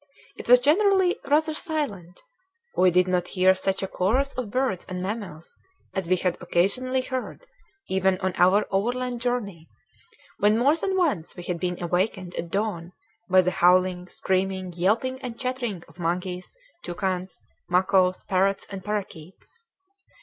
It was generally rather silent; we did not hear such a chorus of birds and mammals as we had occasionally heard even on our overland journey, when more than once we had been awakened at dawn by the howling, screaming, yelping, and chattering of monkeys, toucans, macaws, parrots, and parakeets.